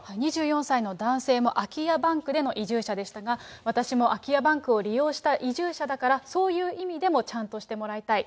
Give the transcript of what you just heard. ２４歳の男性も空き家バンクでの移住者でしたが、私も空き家バンクを利用した移住者だから、そういう意味でもちゃんとしてもらいたい。